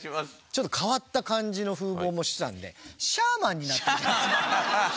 ちょっと変わった感じの風貌もしてたのでシャーマンになってる。